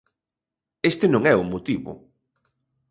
Este non é o motivo.